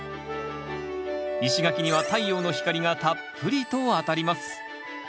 石垣には太陽の光がたっぷりと当たります。